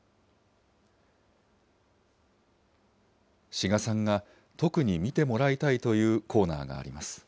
志賀さんが特に見てもらいたいというコーナーがあります。